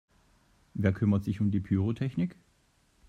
Wer kümmert sich um die Pyrotechnik?